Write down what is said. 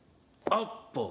アッポー。